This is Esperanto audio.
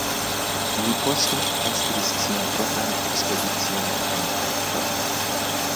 Li poste estris sian propran ekspedicion al Antarkto.